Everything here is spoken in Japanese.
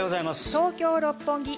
東京・六本木